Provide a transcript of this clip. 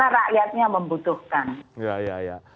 karena rakyatnya membutuhkan ya ya ya